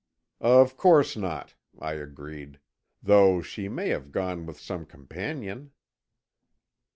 "Of course not," I agreed. "Though she may have gone with some companion."